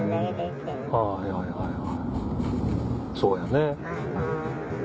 そうやね。